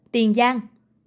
năm mươi bảy tiền giang